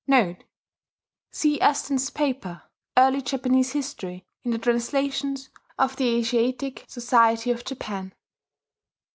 * [*See Aston's paper, Early Japanese History, in the translations of the Asiatic Society of Japan.